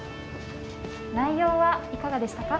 内容はいかがでしたか。